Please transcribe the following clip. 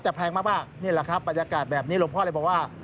แพงมากนี่แหละครับบรรยากาศแบบนี้หลวงพ่อเลยบอกว่า